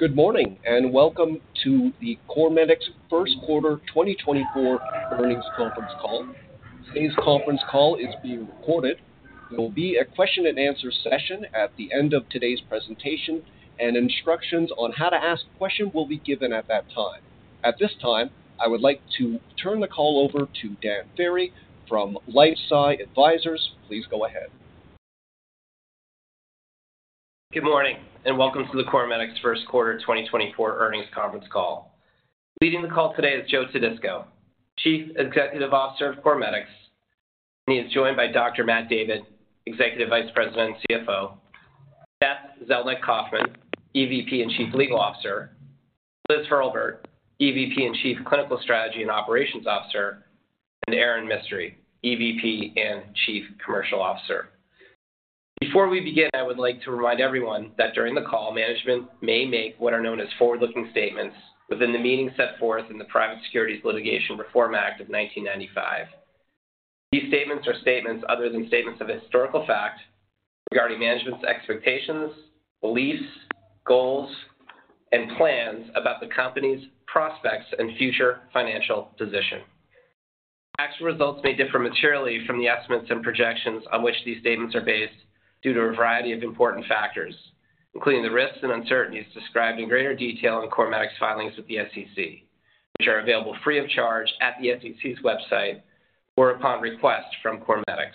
Good morning and welcome to the CorMedix first quarter 2024 earnings conference call. Today's conference call is being recorded. There will be a question-and-answer session at the end of today's presentation, and instructions on how to ask a question will be given at that time. At this time, I would like to turn the call over to Dan Ferry from LifeSci Advisors. Please go ahead. Good morning and welcome to the CorMedix first quarter 2024 earnings conference call. Leading the call today is Joe Todisco, Chief Executive Officer of CorMedix, and he is joined by Dr. Matt David, Executive Vice President and CFO, Beth Zelnick Kaufman, EVP and Chief Legal Officer, Liz Hurlburt, EVP and Chief Clinical Strategy and Operations Officer, and Erin Mistry, EVP and Chief Commercial Officer. Before we begin, I would like to remind everyone that during the call, management may make what are known as forward-looking statements within the meaning set forth in the Private Securities Litigation Reform Act of 1995. These statements are statements other than statements of historical fact regarding management's expectations, beliefs, goals, and plans about the company's prospects and future financial position. Actual results may differ materially from the estimates and projections on which these statements are based due to a variety of important factors, including the risks and uncertainties described in greater detail in CorMedix filings with the SEC, which are available free of charge at the SEC's website or upon request from CorMedix.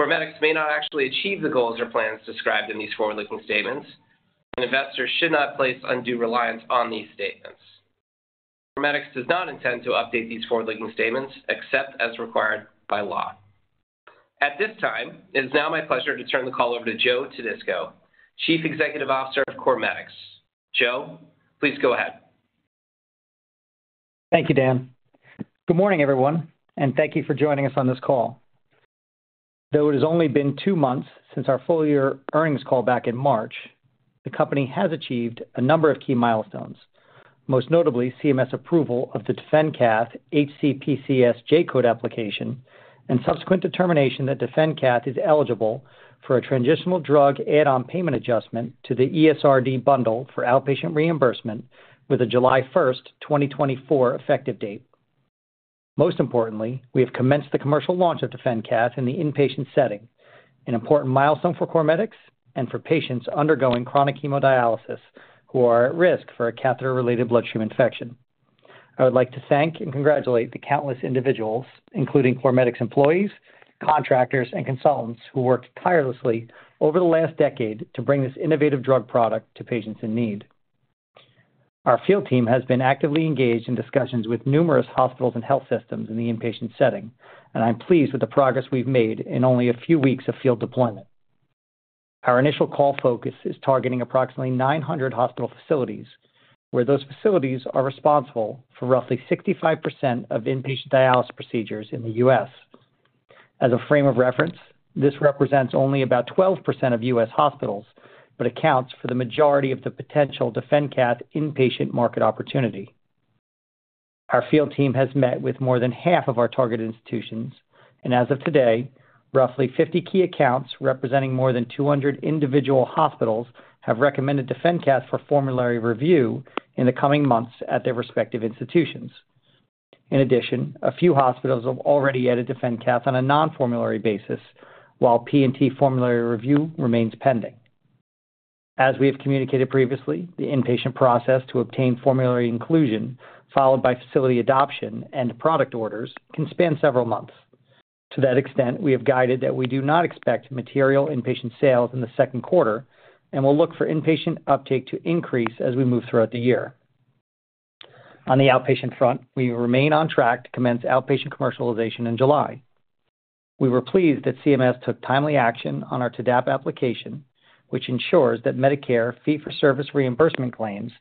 CorMedix may not actually achieve the goals or plans described in these forward-looking statements, and investors should not place undue reliance on these statements. CorMedix does not intend to update these forward-looking statements except as required by law. At this time, it is now my pleasure to turn the call over to Joe Todisco, Chief Executive Officer of CorMedix. Joe, please go ahead. Thank you, Dan. Good morning, everyone, and thank you for joining us on this call. Though it has only been two months since our full-year earnings call back in March, the company has achieved a number of key milestones, most notably CMS approval of the DefenCath HCPCS J-code application and subsequent determination that DefenCath is eligible for a transitional drug add-on payment adjustment to the ESRD bundle for outpatient reimbursement with a July 1st, 2024, effective date. Most importantly, we have commenced the commercial launch of DefenCath in the inpatient setting, an important milestone for CorMedix and for patients undergoing chronic hemodialysis who are at risk for a catheter-related bloodstream infection. I would like to thank and congratulate the countless individuals, including CorMedix employees, contractors, and consultants, who worked tirelessly over the last decade to bring this innovative drug product to patients in need. Our field team has been actively engaged in discussions with numerous hospitals and health systems in the inpatient setting, and I'm pleased with the progress we've made in only a few weeks of field deployment. Our initial call focus is targeting approximately 900 hospital facilities, where those facilities are responsible for roughly 65% of inpatient dialysis procedures in the U.S. As a frame of reference, this represents only about 12% of U.S. hospitals but accounts for the majority of the potential DefenCath inpatient market opportunity. Our field team has met with more than half of our targeted institutions, and as of today, roughly 50 key accounts representing more than 200 individual hospitals have recommended DefenCath for formulary review in the coming months at their respective institutions. In addition, a few hospitals have already added DefenCath on a non-formulary basis, while P&T formulary review remains pending. As we have communicated previously, the inpatient process to obtain formulary inclusion, followed by facility adoption and product orders, can span several months. To that extent, we have guided that we do not expect material inpatient sales in the second quarter and will look for inpatient uptake to increase as we move throughout the year. On the outpatient front, we remain on track to commence outpatient commercialization in July. We were pleased that CMS took timely action on our TDAPA application, which ensures that Medicare fee-for-service reimbursement claims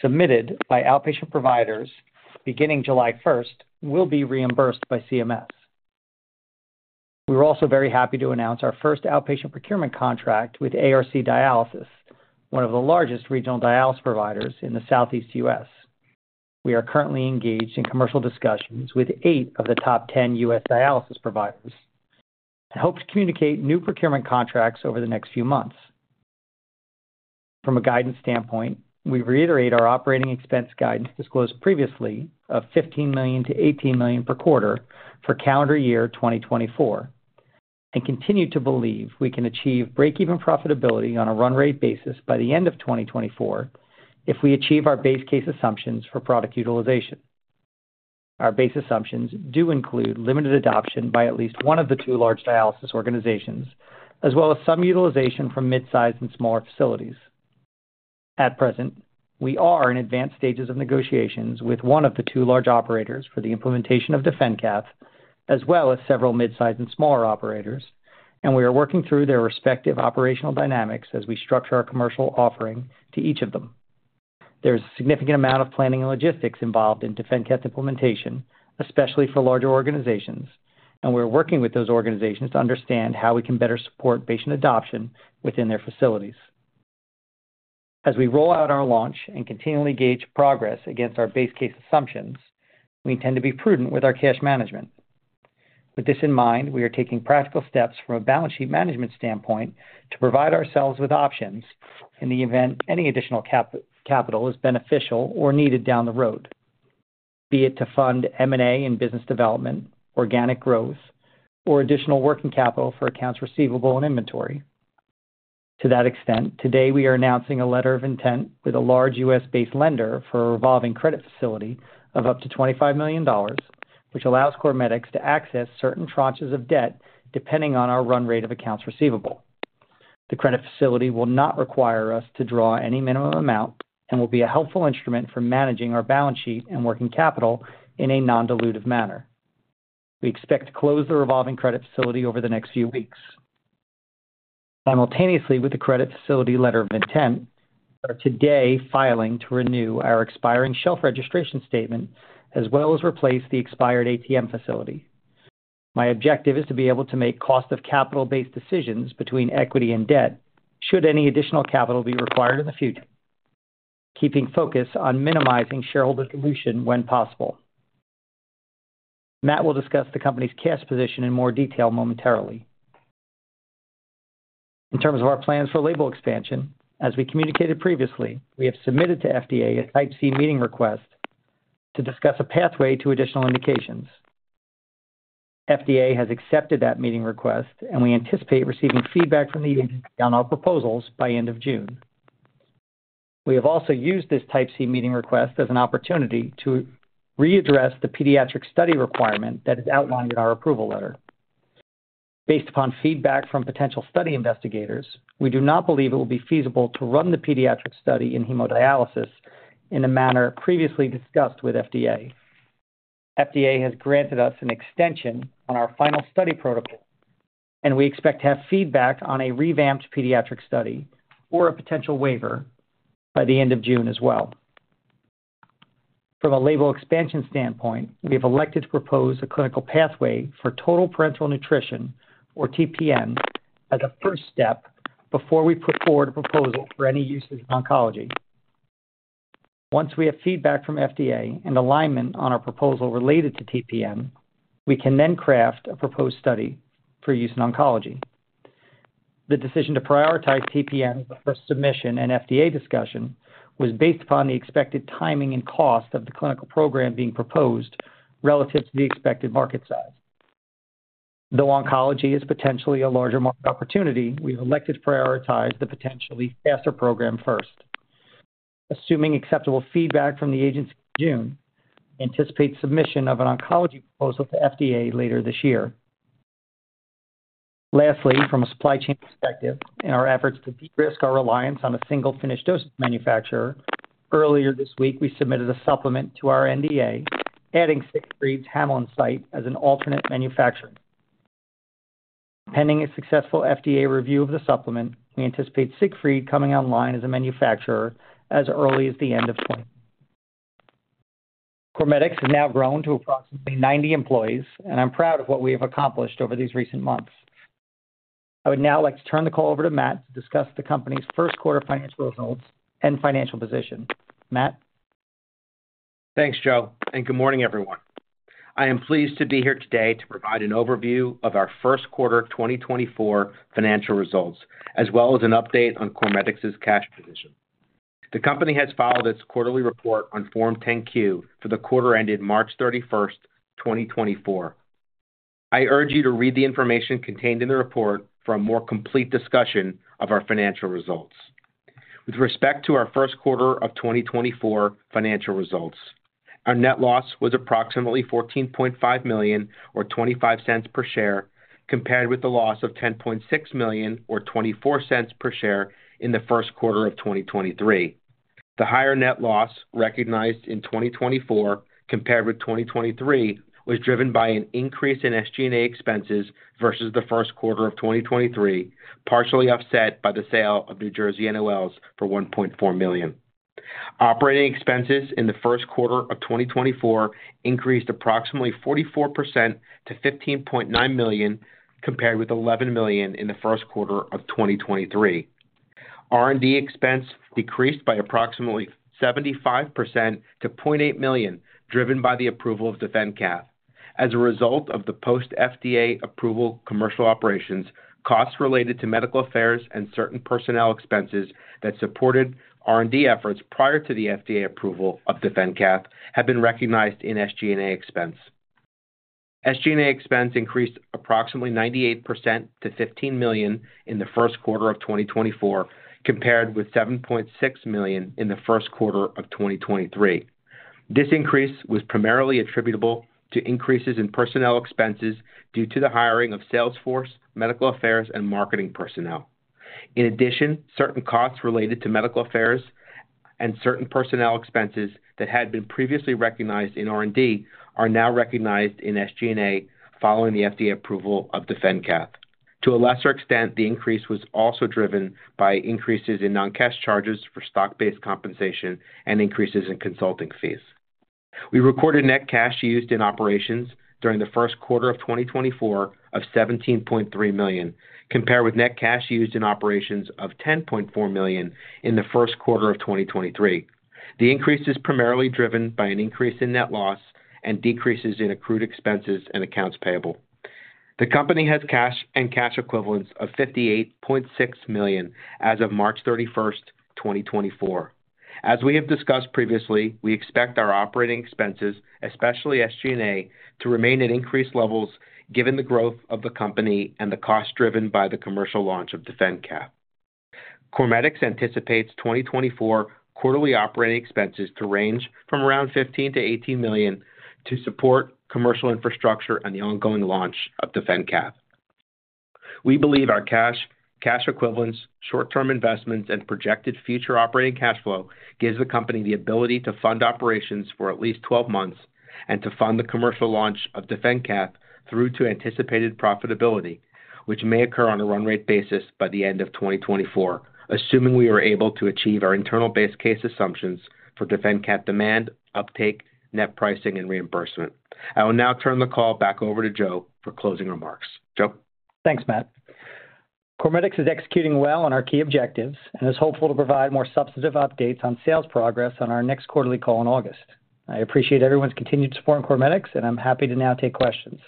submitted by outpatient providers beginning July 1st will be reimbursed by CMS. We were also very happy to announce our first outpatient procurement contract with ARC Dialysis, one of the largest regional dialysis providers in the Southeast U.S. We are currently engaged in commercial discussions with eight of the top 10 U.S. dialysis providers and hope to communicate new procurement contracts over the next few months. From a guidance standpoint, we reiterate our operating expense guidance disclosed previously of $15 million-$18 million per quarter for calendar year 2024 and continue to believe we can achieve break-even profitability on a run-rate basis by the end of 2024 if we achieve our base case assumptions for product utilization. Our base assumptions do include limited adoption by at least one of the two large dialysis organizations, as well as some utilization from midsize and smaller facilities. At present, we are in advanced stages of negotiations with one of the two large operators for the implementation of DefenCath, as well as several midsize and smaller operators, and we are working through their respective operational dynamics as we structure our commercial offering to each of them. There is a significant amount of planning and logistics involved in DefenCath implementation, especially for larger organizations, and we are working with those organizations to understand how we can better support patient adoption within their facilities. As we roll out our launch and continually gauge progress against our base case assumptions, we intend to be prudent with our cash management. With this in mind, we are taking practical steps from a balance sheet management standpoint to provide ourselves with options in the event any additional capital is beneficial or needed down the road, be it to fund M&A in business development, organic growth, or additional working capital for accounts receivable and inventory. To that extent, today we are announcing a letter of intent with a large U.S.-based lender for a revolving credit facility of up to $25 million, which allows CorMedix to access certain tranches of debt depending on our run-rate of accounts receivable. The credit facility will not require us to draw any minimum amount and will be a helpful instrument for managing our balance sheet and working capital in a non-dilutive manner. We expect to close the revolving credit facility over the next few weeks. Simultaneously with the credit facility letter of intent, we are today filing to renew our expiring shelf registration statement as well as replace the expired ATM facility. My objective is to be able to make cost-of-capital-based decisions between equity and debt should any additional capital be required in the future, keeping focus on minimizing shareholder dilution when possible. Matt will discuss the company's cash position in more detail momentarily. In terms of our plans for label expansion, as we communicated previously, we have submitted to FDA a Type C meeting request to discuss a pathway to additional indications. FDA has accepted that meeting request, and we anticipate receiving feedback from the agency on our proposals by end of June. We have also used this Type C meeting request as an opportunity to readdress the pediatric study requirement that is outlined in our approval letter. Based upon feedback from potential study investigators, we do not believe it will be feasible to run the pediatric study in hemodialysis in the manner previously discussed with FDA. FDA has granted us an extension on our final study protocol, and we expect to have feedback on a revamped pediatric study or a potential waiver by the end of June as well. From a label expansion standpoint, we have elected to propose a clinical pathway for total parenteral nutrition, or TPN, as a first step before we put forward a proposal for any uses in oncology. Once we have feedback from FDA and alignment on our proposal related to TPN, we can then craft a proposed study for use in oncology. The decision to prioritize TPN as the first submission in FDA discussion was based upon the expected timing and cost of the clinical program being proposed relative to the expected market size. Though oncology is potentially a larger market opportunity, we have elected to prioritize the potentially faster program first. Assuming acceptable feedback from the agency in June, we anticipate submission of an oncology proposal to FDA later this year. Lastly, from a supply chain perspective, in our efforts to de-risk our reliance on a single finished dosage manufacturer, earlier this week we submitted a supplement to our NDA, adding Siegfried's Hameln site as an alternate manufacturer. Pending a successful FDA review of the supplement, we anticipate Siegfried coming online as a manufacturer as early as the end of 2024. CorMedix has now grown to approximately 90 employees, and I'm proud of what we have accomplished over these recent months. I would now like to turn the call over to Matt to discuss the company's first quarter financial results and financial position. Matt? Thanks, Joe, and good morning, everyone. I am pleased to be here today to provide an overview of our first quarter 2024 financial results, as well as an update on CorMedix's cash position. The company has filed its quarterly report on Form 10-Q for the quarter ended March 31st, 2024. I urge you to read the information contained in the report for a more complete discussion of our financial results. With respect to our first quarter of 2024 financial results, our net loss was approximately $14.5 million or $0.25 per share compared with the loss of $10.6 million or $0.24 per share in the first quarter of 2023. The higher net loss recognized in 2024 compared with 2023 was driven by an increase in SG&A expenses versus the first quarter of 2023, partially offset by the sale of New Jersey NOLs for $1.4 million. Operating expenses in the first quarter of 2024 increased approximately 44% to $15.9 million compared with $11 million in the first quarter of 2023. R&D expense decreased by approximately 75% to $0.8 million, driven by the approval of DefenCath. As a result of the post-FDA approval commercial operations, costs related to medical affairs and certain personnel expenses that supported R&D efforts prior to the FDA approval of DefenCath have been recognized in SG&A expense. SG&A expense increased approximately 98% to $15 million in the first quarter of 2024 compared with $7.6 million in the first quarter of 2023. This increase was primarily attributable to increases in personnel expenses due to the hiring of salesforce, medical affairs, and marketing personnel. In addition, certain costs related to medical affairs and certain personnel expenses that had been previously recognized in R&D are now recognized in SG&A following the FDA approval of DefenCath. To a lesser extent, the increase was also driven by increases in non-cash charges for stock-based compensation and increases in consulting fees. We recorded net cash used in operations during the first quarter of 2024 of $17.3 million compared with net cash used in operations of $10.4 million in the first quarter of 2023. The increase is primarily driven by an increase in net loss and decreases in accrued expenses and accounts payable. The company has cash and cash equivalents of $58.6 million as of March 31st, 2024. As we have discussed previously, we expect our operating expenses, especially SG&A, to remain at increased levels given the growth of the company and the costs driven by the commercial launch of DefenCath. CorMedix anticipates 2024 quarterly operating expenses to range from around $15 million-$18 million to support commercial infrastructure and the ongoing launch of DefenCath. We believe our cash, cash equivalents, short-term investments, and projected future operating cash flow give the company the ability to fund operations for at least 12 months and to fund the commercial launch of DefenCath through to anticipated profitability, which may occur on a run-rate basis by the end of 2024, assuming we are able to achieve our internal base case assumptions for DefenCath demand, uptake, net pricing, and reimbursement. I will now turn the call back over to Joe for closing remarks. Joe? Thanks, Matt. CorMedix is executing well on our key objectives and is hopeful to provide more substantive updates on sales progress on our next quarterly call in August. I appreciate everyone's continued support in CorMedix, and I'm happy to now take questions.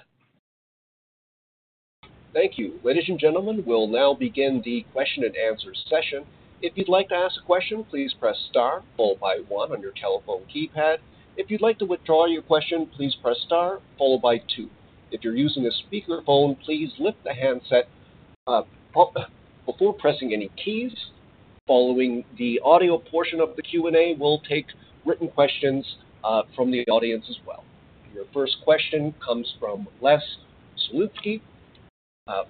Thank you. Ladies and gentlemen, we will now begin the question-and-answer session. If you would like to ask a question, please press star, followed by one on your telephone keypad. If you would like to withdraw your question, please press star, followed by two. If you are using a speakerphone, please lift the handset before pressing any keys. Following the audio portion of the Q&A, we will take written questions from the audience as well. Your first question comes from Les Sulewski.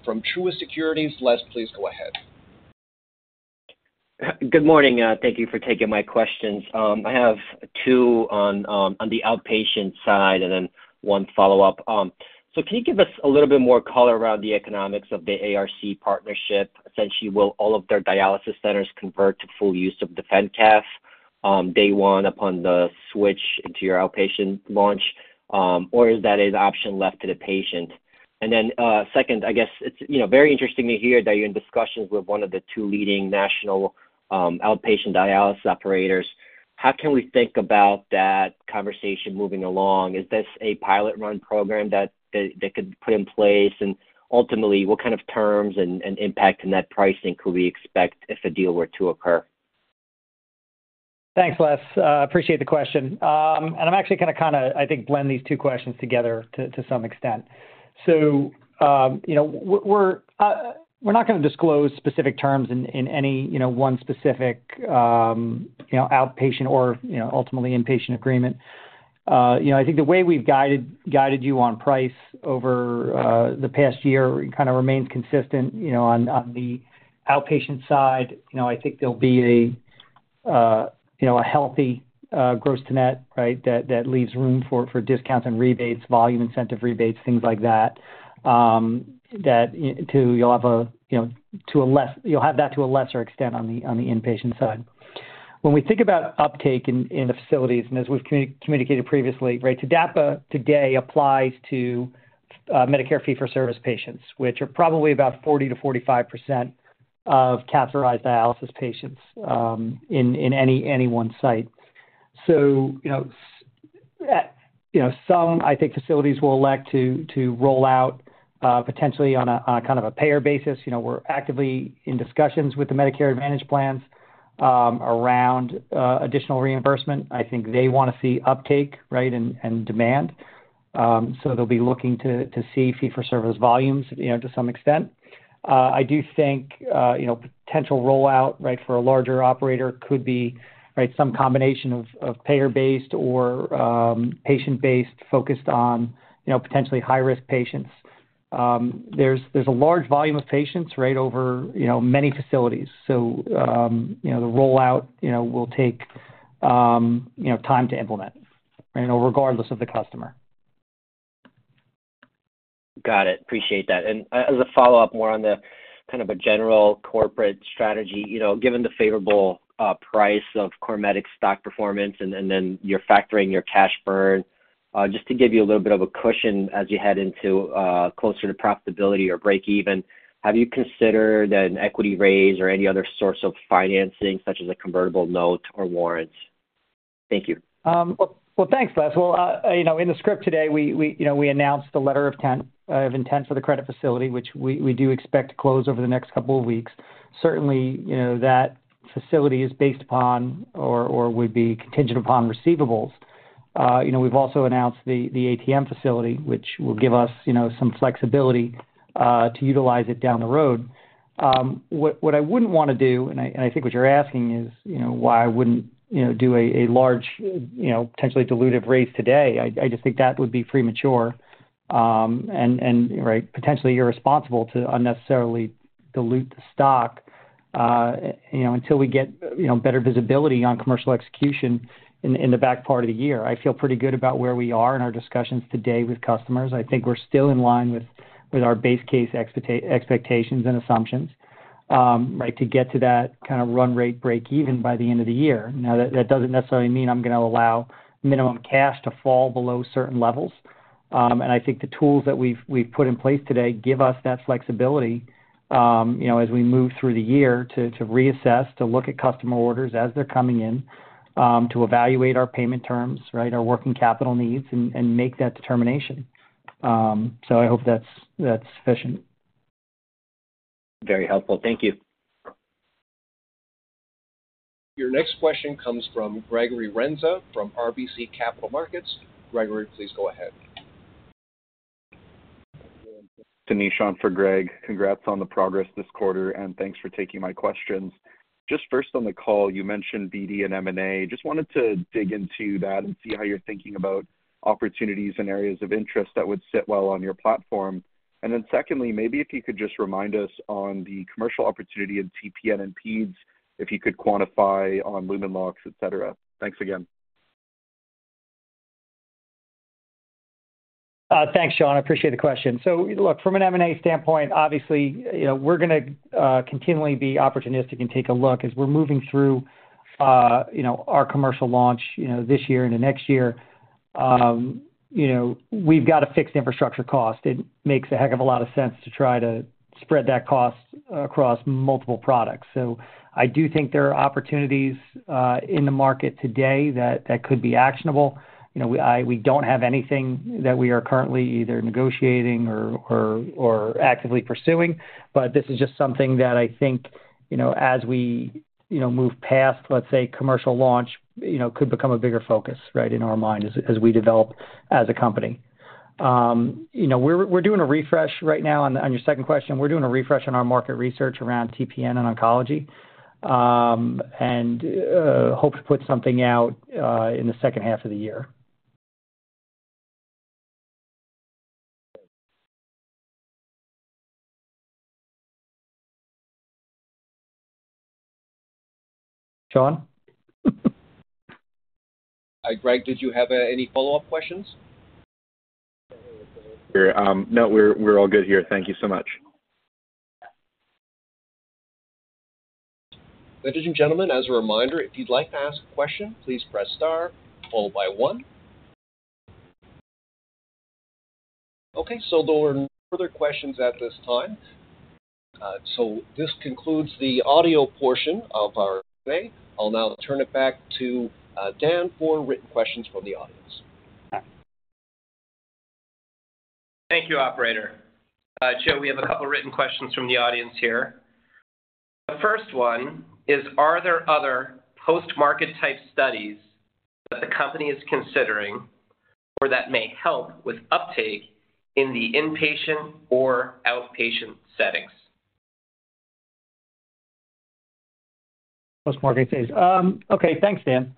From Truist Securities, Les, please go ahead. Good morning. Thank you for taking my questions. I have two on the outpatient side and then one follow-up. So can you give us a little bit more color around the economics of the ARC partnership? Essentially, will all of their dialysis centers convert to full use of DefenCath day one upon the switch into your outpatient launch, or is that an option left to the patient? And then second, I guess it's very interesting to hear that you're in discussions with one of the two leading national outpatient dialysis operators. How can we think about that conversation moving along? Is this a pilot-run program that they could put in place, and ultimately, what kind of terms and impact in that pricing could we expect if a deal were to occur? Thanks, Les. I appreciate the question, and I'm actually going to kind of, I think, blend these two questions together to some extent. So we're not going to disclose specific terms in any one specific outpatient or ultimately inpatient agreement. I think the way we've guided you on price over the past year kind of remains consistent. On the outpatient side, I think there will be a healthy gross to net, right, that leaves room for discounts and rebates, volume incentive rebates, things like that, that you'll have that to a lesser extent on the inpatient side. When we think about uptake in the facilities, and as we've communicated previously, right, TDAPA today applies to Medicare fee-for-service patients, which are probably about 40%-45% of catheterized dialysis patients in any one site. So some, I think, facilities will elect to roll out potentially on a kind of a payer basis. We're actively in discussions with the Medicare Advantage plans around additional reimbursement. I think they want to see uptake, right, and demand, so they'll be looking to see fee-for-service volumes to some extent. I do think potential rollout, right, for a larger operator could be, right, some combination of payer-based or patient-based focused on potentially high-risk patients. There's a large volume of patients, right, over many facilities, so the rollout will take time to implement, right, regardless of the customer. Got it. Appreciate that. As a follow-up, more on the kind of a general corporate strategy, given the favorable price of CorMedix stock performance and then you're factoring your cash burn, just to give you a little bit of a cushion as you head into closer to profitability or breakeven, have you considered an equity raise or any other source of financing such as a convertible note or warrant? Thank you. Well, thanks, Les. Well, in the script today, we announced the letter of intent for the credit facility, which we do expect to close over the next couple of weeks. Certainly, that facility is based upon or would be contingent upon receivables. We've also announced the ATM facility, which will give us some flexibility to utilize it down the road. What I wouldn't want to do, and I think what you're asking is why I wouldn't do a large, potentially dilutive raise today. I just think that would be premature, and, right, potentially irresponsible to unnecessarily dilute the stock until we get better visibility on commercial execution in the back part of the year. I feel pretty good about where we are in our discussions today with customers. I think we're still in line with our base case expectations and assumptions, right, to get to that kind of run-rate breakeven by the end of the year. Now, that doesn't necessarily mean I'm going to allow minimum cash to fall below certain levels, and I think the tools that we've put in place today give us that flexibility as we move through the year to reassess, to look at customer orders as they're coming in, to evaluate our payment terms, right, our working capital needs, and make that determination. So I hope that's sufficient. Very helpful. Thank you. Your next question comes from Gregory Renza from RBC Capital Markets. Gregory, please go ahead. Anish for Greg. Congrats on the progress this quarter, and thanks for taking my questions. Just first on the call, you mentioned BD and M&A. Just wanted to dig into that and see how you're thinking about opportunities and areas of interest that would sit well on your platform. And then secondly, maybe if you could just remind us on the commercial opportunity in TPN and PEDS, if you could quantify on Lumen locks, etc. Thanks again. Thanks, Sean. I appreciate the question. So look, from an M&A standpoint, obviously, we're going to continually be opportunistic and take a look. As we're moving through our commercial launch this year and in next year, we've got a fixed infrastructure cost. It makes a heck of a lot of sense to try to spread that cost across multiple products. So I do think there are opportunities in the market today that could be actionable. We don't have anything that we are currently either negotiating or actively pursuing, but this is just something that I think as we move past, let's say, commercial launch could become a bigger focus, right, in our mind as we develop as a company. We're doing a refresh right now on your second question. We're doing a refresh on our market research around TPN and oncology and hope to put something out in the second half of the year. Sean? Hi, Greg. Did you have any follow-up questions? No, we're all good here. Thank you so much. Ladies and gentlemen, as a reminder, if you'd like to ask a question, please press star, followed by one. Okay. There are no further questions at this time. This concludes the audio portion of our Q&A. I'll now turn it back to Dan for written questions from the audience. Thank you, operator. Joe, we have a couple of written questions from the audience here. The first one is, are there other post-market type studies that the company is considering or that may help with uptake in the inpatient or outpatient settings? Post-market studies. Okay. Thanks, Dan.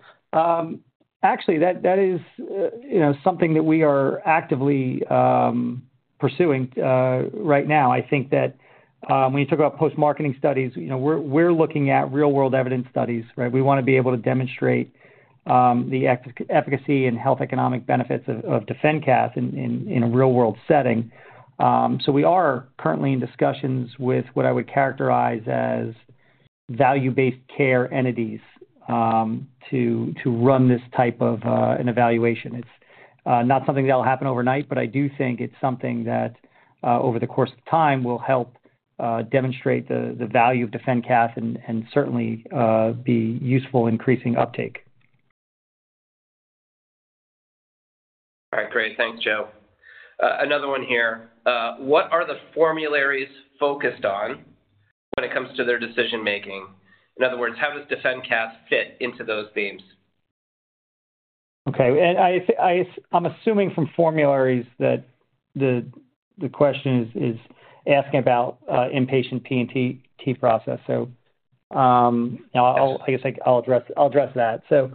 Actually, that is something that we are actively pursuing right now. I think that when you talk about post-marketing studies, we're looking at real-world evidence studies, right? We want to be able to demonstrate the efficacy and health economic benefits of DefenCath in a real-world setting. So we are currently in discussions with what I would characterize as value-based care entities to run this type of an evaluation. It's not something that'll happen overnight, but I do think it's something that over the course of time will help demonstrate the value of DefenCath and certainly be useful increasing uptake. All right. Great. Thanks, Joe. Another one here. What are the formularies focused on when it comes to their decision-making? In other words, how does DefenCath fit into those themes? Okay. And I'm assuming from formularies that the question is asking about inpatient P&T process. So I guess I'll address that. So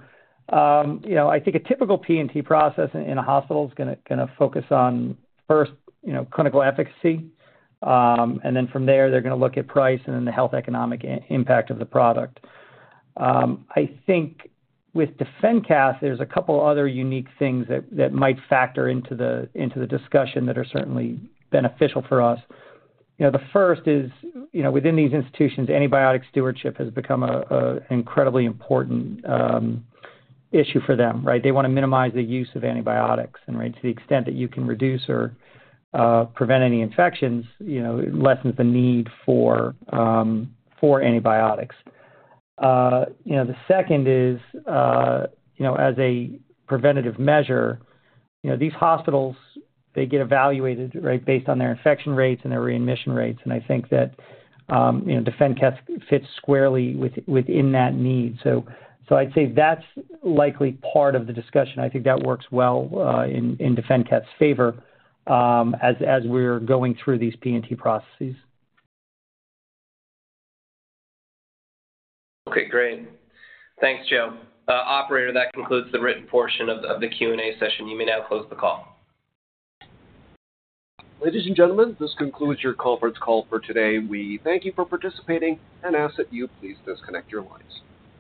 I think a typical P&T process in a hospital is going to focus on first clinical efficacy, and then from there, they're going to look at price and then the health economic impact of the product. I think with DefenCath, there's a couple of other unique things that might factor into the discussion that are certainly beneficial for us. The first is within these institutions, antibiotic stewardship has become an incredibly important issue for them, right? They want to minimize the use of antibiotics, and right, to the extent that you can reduce or prevent any infections, it lessens the need for antibiotics. The second is as a preventative measure, these hospitals, they get evaluated, right, based on their infection rates and their readmission rates. I think that DefenCath fits squarely within that need. I'd say that's likely part of the discussion. I think that works well in DefenCath's favor as we're going through these P&T processes. Okay. Great. Thanks, Joe. Operator, that concludes the written portion of the Q&A session. You may now close the call. Ladies and gentlemen, this concludes your conference call for today. We thank you for participating and ask that you please disconnect your lines.